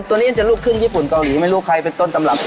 ตัวนี้จะลูกครึ่งญี่ปุ่นเกาหลีไม่รู้ใครเป็นต้นตำรับ